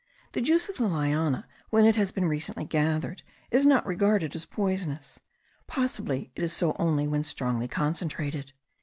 The juice of the liana, when it has been recently gathered, is not regarded as poisonous; possibly it is so only when strongly concentrated.